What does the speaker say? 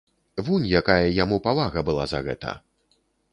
Вунь якая яму павага была за гэта!